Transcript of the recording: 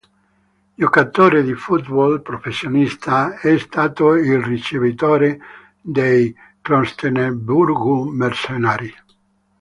Giocatore di football professionista, è stato il ricevitore dei Klosterneuburg Mercenaries.